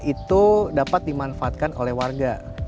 itu dapat dimanfaatkan oleh warga